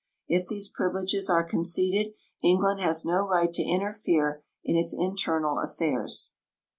If these privileges are conceded, England has no right to interfere in its internal affairs.